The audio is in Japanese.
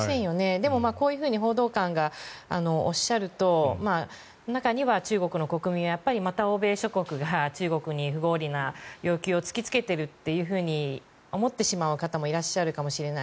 でもこういうふうに報道官がおっしゃると中には中国の国民はやっぱり、また欧米諸国が中国に不合理な要求を突きつけてるって思ってしまう方もいらっしゃるかもしれない。